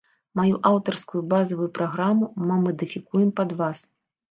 Маю аўтарскую базавую праграму мы мадыфікуем пад вас.